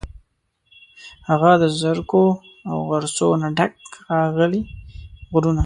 هغه د زرکو، او غرڅو، نه ډک، ښاغلي غرونه